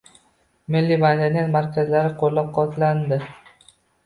Milliy madaniy markazlar qo‘llab-quvvatlandi